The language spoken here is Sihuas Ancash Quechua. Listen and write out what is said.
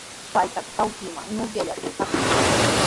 Trakra trawpinman nunaylluta trurashqa.